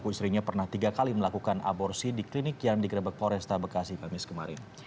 istrinya pernah tiga kali melakukan aborsi di klinik yang digerebek polresta bekasi kamis kemarin